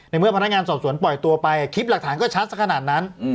เมื่อพนักงานสอบสวนปล่อยตัวไปคลิปหลักฐานก็ชัดสักขนาดนั้น